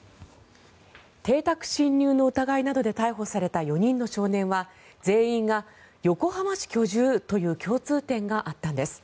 邸宅侵入の疑いなどで逮捕された４人の少年は全員が横浜市居住という共通点があったんです。